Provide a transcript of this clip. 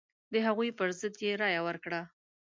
د هغوی پر ضد یې رايه ورکړه.